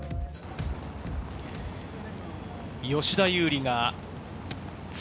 吉田優利が＋２。